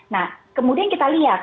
nah kemudian kita lihat